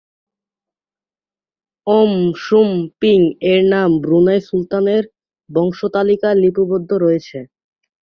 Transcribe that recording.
ওং Sum Ping এর নাম ব্রুনাই সুলতানের বংশতালিকায় লিপিবদ্ধ রয়েছে।